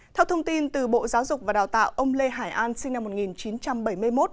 theo thông tin từ bộ giáo dục và đào tạo ông lê hải an sinh năm một nghìn chín trăm bảy mươi một